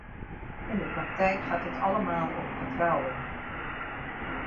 In de praktijk gaat het allemaal om vertrouwen.